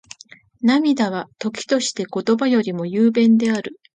涙は、時として言葉よりも雄弁である。